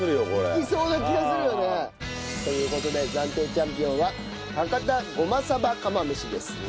いきそうな気がするよね！という事で暫定チャンピオンは博多ごまさば釜飯です。